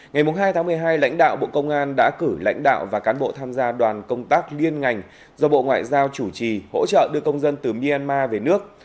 ngày hai tháng một mươi hai lãnh đạo bộ công an đã cử lãnh đạo và cán bộ tham gia đoàn công tác liên ngành do bộ ngoại giao chủ trì hỗ trợ đưa công dân từ myanmar về nước